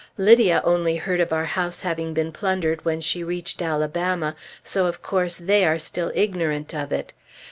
Lydia only heard of our house having been plundered when she reached Alabama, so of course they are still ignorant of it.